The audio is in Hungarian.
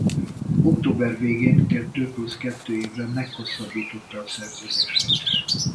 Október végén kettő plusz kettő évre meghosszabbította a szerződését.